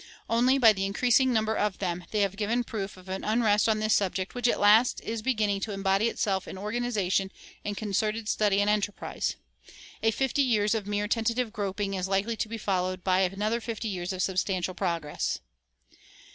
Only, by the increasing number of them, they have given proof of an unrest on this subject which at last is beginning to embody itself in organization and concerted study and enterprise. A fifty years of mere tentative groping is likely to be followed by another fifty years of substantial progress.